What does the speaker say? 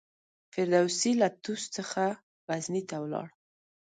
فردوسي له طوس څخه غزني ته ولاړ.